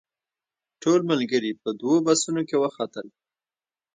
ټول ملګري په دوو بسونو کې وختل.